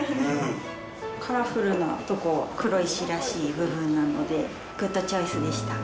カラフルなところが黒石らしい部分なので、グッドチョイスでした。